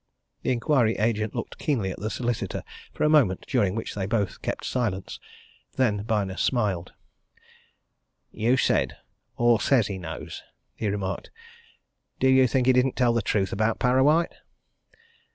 The inquiry agent looked keenly at the solicitor for a moment during which they both kept silence. Then Byner smiled. "You said 'or says he knows,'" he remarked. "Do you think he didn't tell the truth about Parrawhite?"